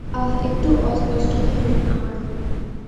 আহ, একটু অস্পষ্ট হ্যাঁ, আমারও।